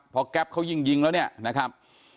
พอแก๊ปเขายิงแล้วเนี่ยนะครับ